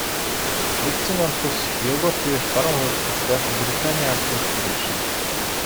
Нэгдсэн вант улс Европ тивээс баруун хойд зүгт байх Британийн арлууд дээр оршино.